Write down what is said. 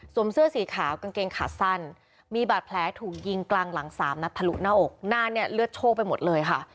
เสื้อสีขาวกางเกงขาสั้นมีบาดแผลถูกยิงกลางหลังสามนัดทะลุหน้าอกหน้าเนี่ยเลือดโชคไปหมดเลยค่ะ